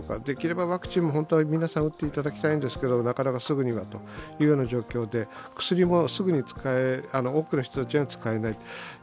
できればワクチンも本当は皆さん打っていただきたいんですがなかなかすぐにはというような状況で、薬もすぐに多くの人たちは使えない。